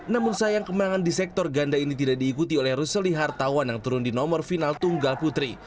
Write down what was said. namun sayang kemenangan di sektor ganda ini tidak diikuti oleh ruseli hartawan yang turun di nomor final tunggal putri